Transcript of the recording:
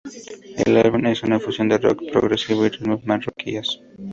El álbum es una fusión de Rock Progresivo y ritmos marroquíes.